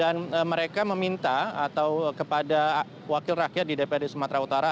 dan mereka meminta atau kepada wakil rakyat di dprd sumatera utara